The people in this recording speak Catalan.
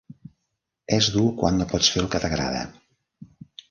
És dur quan no pots fer el que t'agrada.